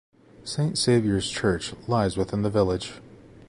Saint Saviour's Church lies within the village.